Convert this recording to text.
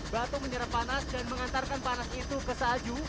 batu menyerap panas dan mengantarkan panas itu ke salju